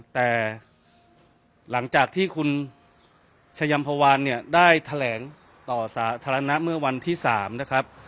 แต่หลังจากที่คุณชายัมภาวานเนี่ยได้แถลงต่อสาธารณะเมื่อวันที่๓นะครับ